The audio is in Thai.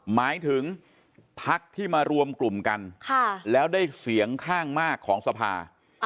หมายถึงพักที่มารวมกลุ่มกันแล้วได้เสียงข้างมากของสภา